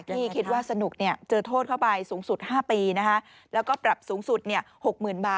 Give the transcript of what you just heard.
โหโหโหโหโหโหโหโหโหโหโหโหโหโหโหโห